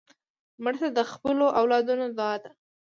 مړه ته د خپلو اولادونو دعا ده